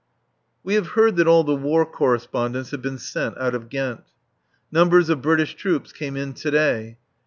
We have heard that all the War Correspondents have been sent out of Ghent. Numbers of British troops came in to day.